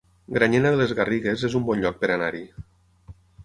Granyena de les Garrigues es un bon lloc per anar-hi